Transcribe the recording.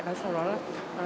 và sau đó là